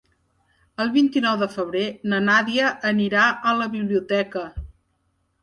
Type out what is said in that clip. El vint-i-nou de febrer na Nàdia anirà a la biblioteca.